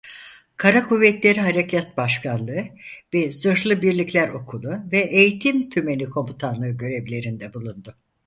Kara Kuvvetleri Harekât Başkanlığı ve Zırhlı Birlikler Okulu ve Eğitim Tümeni komutanlığı görevlerinde bulundu.